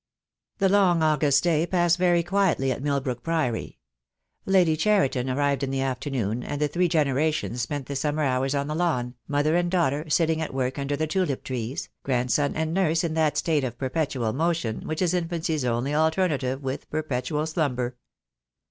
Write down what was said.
The long August day passed very quietly at Milbrook Priory. Lady Cheriton arrived in the afternoon, and the three generations spent the summer hours on the lawn, mother and daughter sitting at work under the tulip trees, grandson and nurse in that state of perpetual motion which is infancy's only alternative with perpetual slumber.